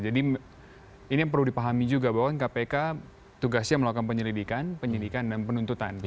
jadi ini yang perlu dipahami juga bahwa kpk tugasnya melakukan penyelidikan penyelidikan dan penuntutan